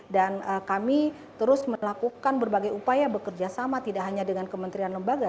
dan kami terus melakukan berbagai upaya bekerja sama tidak hanya dengan kementerian lembaga